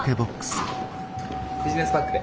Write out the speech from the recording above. ビジネスパックで。